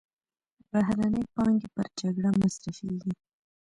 بهرنۍ پانګې پر جګړه مصرفېږي.